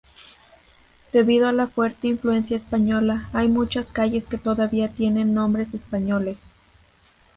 Debido a la fuerte influencia española, hay muchas calles que todavía tienen nombres españoles.